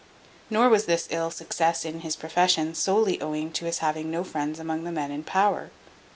Nor was this ill success in his profession solely owing to his having no friends among the men in power.